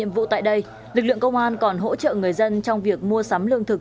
nhiệm vụ tại đây lực lượng công an còn hỗ trợ người dân trong việc mua sắm lương thực